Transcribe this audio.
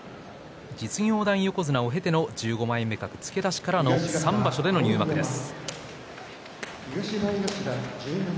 実業団横綱を経て１５枚目格付け出しからの３場所での入幕です。